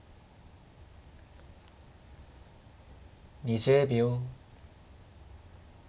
２０秒。